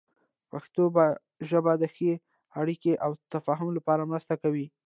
پښتو ژبه د ښې اړیکې او تفاهم لپاره مرسته کوي.